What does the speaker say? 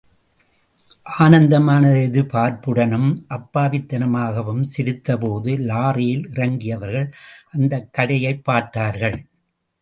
ஆனந்தமான எதிர்பார்ப்புடனும், அப்பாவித்தனமாகவும் சிரித்தபோது லாரியில் இறங்கியவர்கள், அந்தக் கடையைப் பார்த்தார்கள்.